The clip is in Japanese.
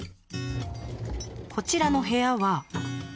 こちらの部屋は。